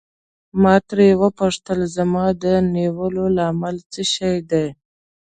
ما ترې وپوښتل زما د نیولو لامل څه شی دی.